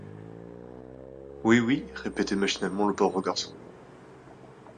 Oui! oui ! répétait machinalement le pauvre garçon.